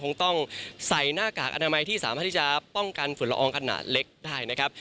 คงต้องใส่หน้ากากอนามัยที่สามารถที่จะป้องกันฝุ่นละอองขนาดเล็กได้นะครับ